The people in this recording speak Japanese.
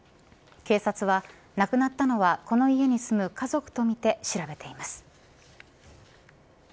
警察は亡くなったのはこの家に住む家族とみて調べています。